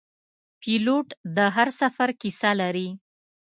پیلوټ د هر سفر کیسه لري.